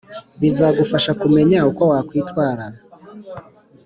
bizagufasha kumenya uko wakwitwara.